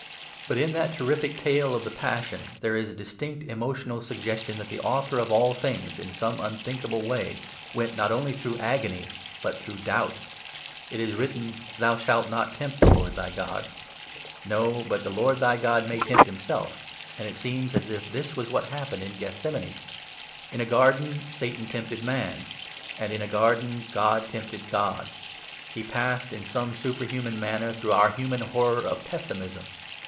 But in that terrific tale of the Passion there is a distinct emotional suggestion that the author of all things (in some unthinkable way) went not only through agony, but through doubt. It is written, "Thou shalt not tempt the Lord thy God." No; but the Lord thy God may tempt Himself; and it seems as if this was what happened in Gethsemane. In a garden Satan tempted man: and in a garden God tempted God. He passed in some superhuman manner through our human horror of pessimism.